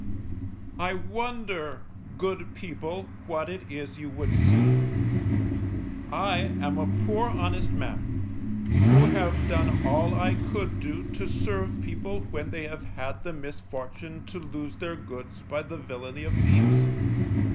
_I wonder, good people, what it is you would see? I am a poor honest man, who have done all I could do to serve people when they have had the misfortune to lose their goods by the villainy of thieves.